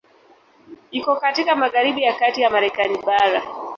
Iko katika magharibi ya kati ya Marekani bara.